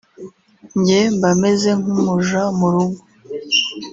njye mba meze nk’umuja mu rugo